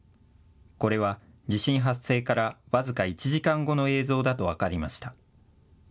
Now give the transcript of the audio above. これは地震発生から僅か１時間後の映像だと分かりました。